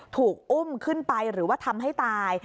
ถูกอุ้มขึ้นไปหรือว่าทำให้ตาย